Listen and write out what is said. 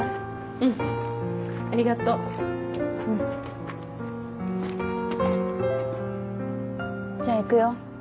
うんありがとううんじゃあ行くよ